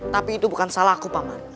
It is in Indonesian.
tapi itu bukan salahku paman